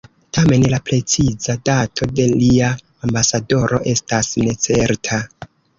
Tamen la preciza dato de lia ambasado estas necerta.